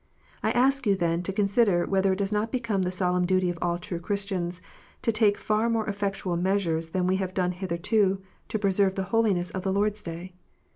I ask you, then, to consider whether it does not become the solemn duty of all true Christians to take far more effectual measures than we have done hitherto, to preserve the holiness of the Lord s Day